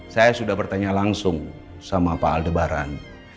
saya sudah bertanya langsung sama pak aldebaran